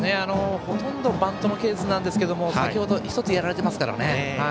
ほとんどバントのケースなんですけど先程１つ、やられていますからね。